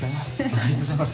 ありがとうございます。